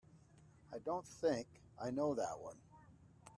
I don't think I know that one.